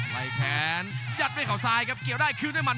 แขนยัดด้วยเขาซ้ายครับเกี่ยวได้คืนด้วยมัน